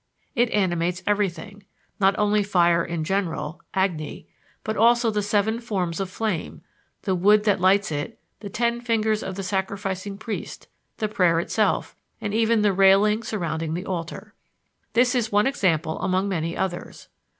" It animates everything not only fire in general, Agni, but also the seven forms of flame, the wood that lights it, the ten fingers of the sacrificing priest, the prayer itself, and even the railing surrounding the altar. This is one example among many others.